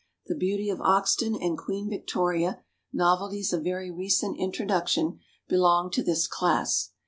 The Beauty of Oxton and Queen Victoria, novelties of very recent introduction, belong to this class.